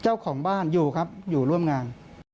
เจ้าของบ้านอยู่ครับอยู่ร่วมงาน